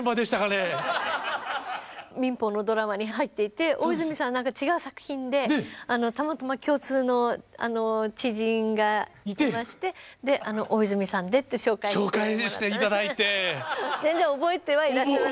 民放のドラマに入っていて大泉さんは違う作品でたまたま共通の知人がいましてで「大泉さんで」って紹介してもらって。